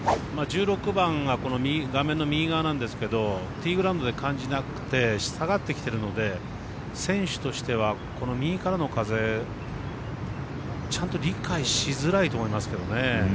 １６番は画面の右側なんですけどティーグラウンドで感じなくて下がってきてるので選手としてはこの右からの風ちゃんと理解しづらいと思いますけどね。